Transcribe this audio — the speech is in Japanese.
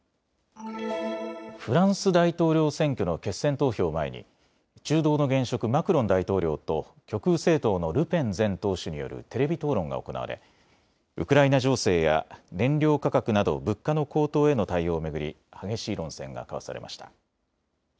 フランス大統領選挙の決選投票を前に中道の現職マクロン大統領と極右政党のルペン前党首によるテレビ討論が行われウクライナ情勢や燃料価格など物価の高騰への対応を巡り、激しい論戦が交わされました。